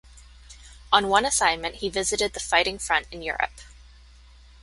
On one assignment he visited the fighting front in Europe.